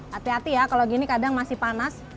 hati hati ya kalau gini kadang masih panas